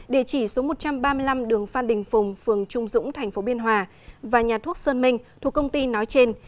địa chỉ số một trăm ba mươi năm đường phan đình phùng phường trung dũng tp biên hòa và nhà thuốc sơn minh thuộc công ty nói trên